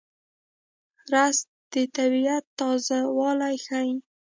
رس د طبیعت تازهوالی ښيي